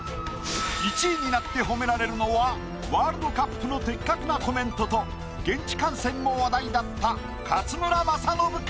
１位になって褒められるのはＷ杯の的確なコメントと現地観戦も話題だった勝村政信か？